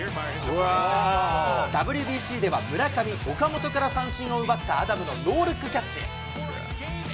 ＷＢＣでは村上、岡本から三振を奪ったアダムのノールックキャッチ。